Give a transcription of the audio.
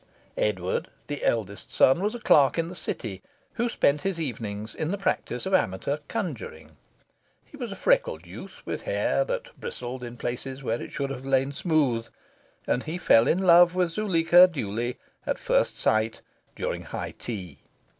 Edward, the eldest son, was a clerk in the city, who spent his evenings in the practice of amateur conjuring. He was a freckled youth, with hair that bristled in places where it should have lain smooth, and he fell in love with Zuleika duly, at first sight, during high tea.